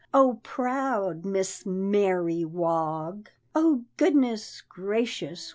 Oh, proud Miss Mary Wog! Oh, goodness gracious!